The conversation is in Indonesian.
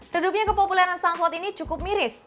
redupnya kepopuleran soundcloud ini cukup miris